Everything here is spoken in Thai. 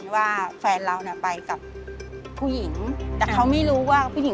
ว่าแฟนเราเนี่ยไปกับผู้หญิง